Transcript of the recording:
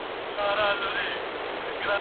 که رڼا وه که تیاره